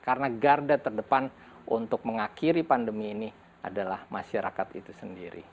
karena garda terdepan untuk mengakhiri pandemi ini adalah masyarakat itu sendiri